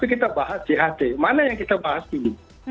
kita bahas cht mana yang kita bahas dulu